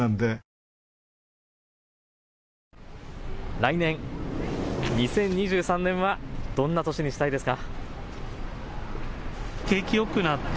来年、２０２３年はどんな年にしたいですか。